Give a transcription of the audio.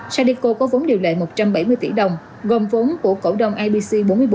sadeco có vốn điều lệ một trăm bảy mươi tỷ đồng gồm vốn của cổ đồng ipc bốn mươi bốn